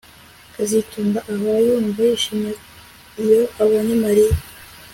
kazitunga ahora yumva yishimye iyo abonye Mariya